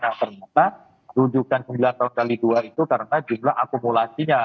nah ternyata rujukan sembilan tahun x dua itu karena jumlah akumulasinya